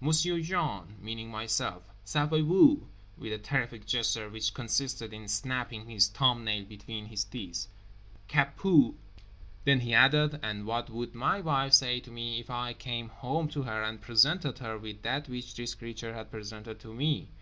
"M'sieu Jean" (meaning myself) "savez vous"—with a terrific gesture which consisted in snapping his thumbnail between his teeth—"ÇA PUE!" Then he added: "And what would my wife say to me if I came home to her and presented her with that which this creature had presented to me?